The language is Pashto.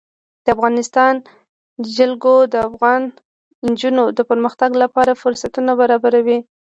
د افغانستان جلکو د افغان نجونو د پرمختګ لپاره فرصتونه برابروي.